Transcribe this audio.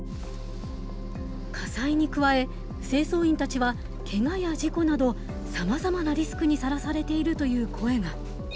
火災に加え清掃員たちはけがや事故などさまざまなリスクにさらされているという声が。